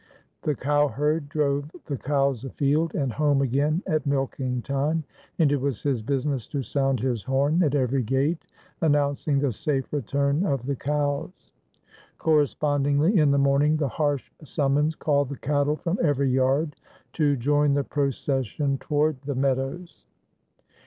The cowherd drove the cows afield and home again at milking time, and it was his business to sound his horn at every gate announcing the safe return of the cows. Correspondingly in the morning the harsh summons called the cattle from every yard to join the procession toward the meadows.